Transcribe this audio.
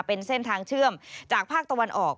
เป็นเส้นทางเชื่อมจากภาคตะวันออก